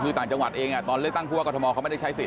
คือต่างจังหวัดเองตอนเลือกตั้งผู้ว่ากรทมเขาไม่ได้ใช้สิท